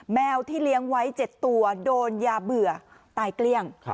แมวที่เลี้ยงไว้๗ตัวโดนยาเบื่อตายเกลี้ยง